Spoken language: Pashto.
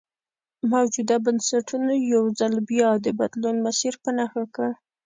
موجوده بنسټونو یو ځل بیا د بدلون مسیر په نښه کړ.